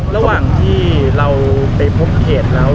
ระหว่างที่เราไปพบเขตแล้ว